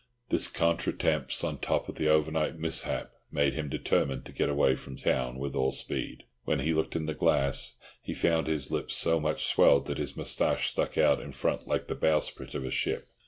This contretemps, on top of the overnight mishap, made him determined to get away from town with all speed. When he looked in the glass, he found his lip so much swelled that his moustache stuck out in front like the bowsprit of a ship.